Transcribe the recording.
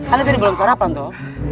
ale tadi belum sarapan toh